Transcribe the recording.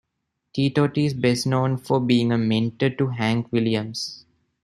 Tee Tot is best known for being a mentor to Hank Williams.